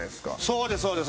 そうですそうです。